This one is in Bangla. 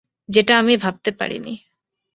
যেটা আমি ভাবতে পারিনি।